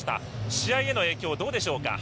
試合への影響、どうでしょうか？